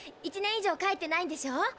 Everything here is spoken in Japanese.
１年以上帰ってないんでしょ？